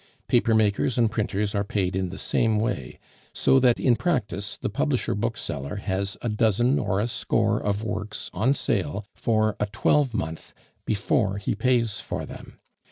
Papermakers and printers are paid in the same way, so that in practice the publisher bookseller has a dozen or a score of works on sale for a twelvemonth before he pays for them.